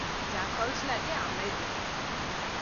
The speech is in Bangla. যা খরচ লাগে আমরাই দেব।